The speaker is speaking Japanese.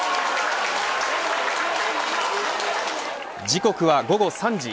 時刻は午後３時。